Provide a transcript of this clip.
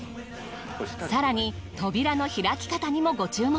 更に扉の開き方にもご注目。